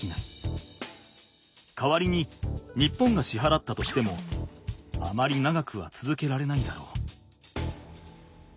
代わりに日本がしはらったとしてもあまり長くはつづけられないだろう。